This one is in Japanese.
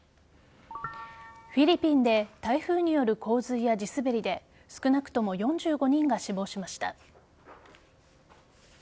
フィリピンで台風による洪水や地滑りで少なくとも４５人が死亡しました。